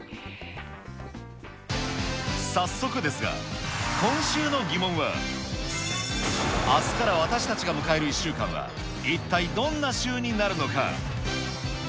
早速ですが、今週の疑問は、明日から私たちがむかえる１週間は一体どんな週になるのか？